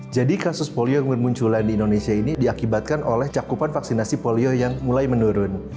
jadi kasus polio yang bermunculan di indonesia ini diakibatkan oleh cakupan vaksinasi polio yang mulai menurun